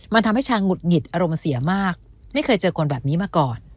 มันทำให้ชางุดหงิดอารมณ์เสียมากไม่เคยเจอคนแบบนี้มาก่อน